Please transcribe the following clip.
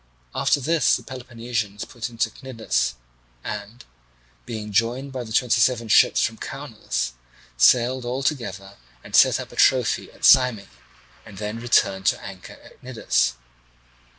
After this the Peloponnesians put into Cnidus and, being joined by the twenty seven ships from Caunus, sailed all together and set up a trophy in Syme, and then returned to anchor at Cnidus.